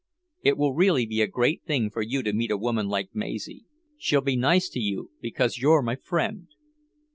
It will really be a great thing for you to meet a woman like Maisie. She'll be nice to you, because you're my friend."